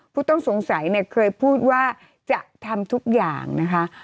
ผู้ต้องสงสัยเนี่ยเคยพูดว่าจะทำทุกอย่างนะคะ